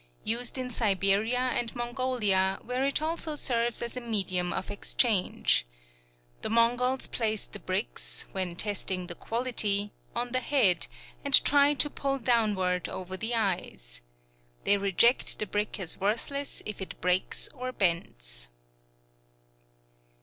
Used in Siberia and Mongolia, where it also serves as a medium of exchange. The Mongols place the bricks, when testing the quality, on the head, and try to pull downward over the eyes. They reject the brick as worthless if it breaks or bends.